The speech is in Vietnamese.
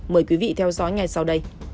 mời quý vị theo dõi ngày sau đây